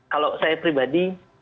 kalau saya pribadi